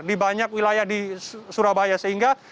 di banyak wilayah di surabaya sehingga